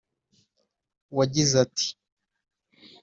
wagize ati